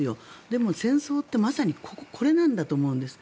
でも、戦争ってまさにこれなんだと思うんです。